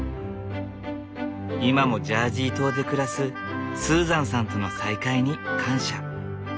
今もジャージー島で暮らすスーザンさんとの再会に感謝。